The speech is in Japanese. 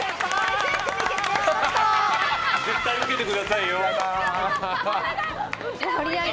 絶対ウケてくださいよ。